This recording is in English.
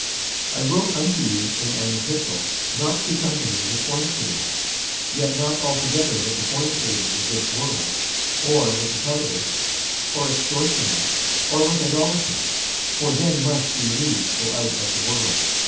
46:005:009 I wrote unto you in an epistle not to company with fornicators: 46:005:010 Yet not altogether with the fornicators of this world, or with the covetous, or extortioners, or with idolaters; for then must ye needs go out of the world.